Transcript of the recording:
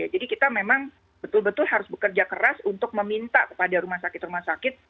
jadi kita memang betul betul harus bekerja keras untuk meminta kepada rumah sakit rumah sakit